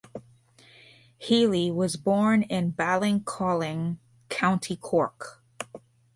Healy was born in Ballincollig, County Cork.